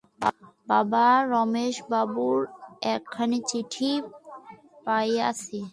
বাবা, রমেশবাবুর একখানি চিঠি পাইয়াছি।